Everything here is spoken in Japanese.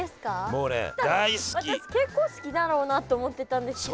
もうね私結構好きだろうなって思ってたんですけど。